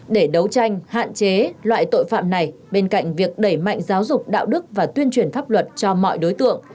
để đấu tranh hạn chế loại tội phạm này bên cạnh việc đẩy mạnh giáo dục đạo đức và tuyên truyền pháp luật cho mọi đối tượng